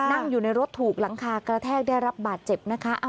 นั่งอยู่ในรถถูกหลังคากระแทกได้รับบาดเจ็บนะคะ